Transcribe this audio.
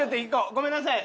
ごめんなさい。